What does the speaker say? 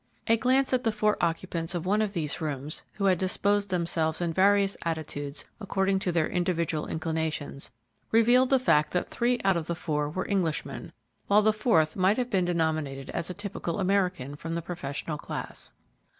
A glance at the four occupants of one of these rooms, who had disposed themselves in various attitudes according to their individual inclinations, revealed the fact that three out of the four were Englishmen, while the fourth might have been denominated as a typical American from the professional class.